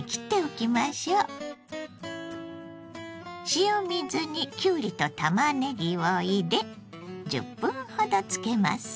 塩水にきゅうりとたまねぎを入れ１０分ほどつけます。